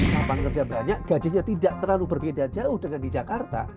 kapan kerja banyak gajinya tidak terlalu berbeda jauh dengan di jakarta